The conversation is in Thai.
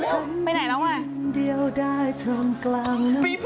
ที่เคยให้ไปจริงจักรที่เคยให้ไปจริงจักร